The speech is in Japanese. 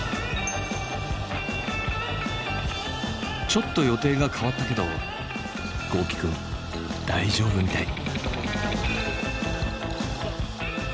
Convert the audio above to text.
ちょっと予定が変わったけど豪輝くん大丈夫みたい。